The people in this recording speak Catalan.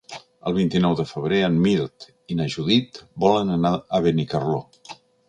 El vint-i-nou de febrer en Mirt i na Judit volen anar a Benicarló.